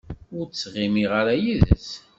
Ur ttɣimiɣ ara yid-s.